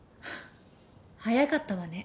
早かったわね。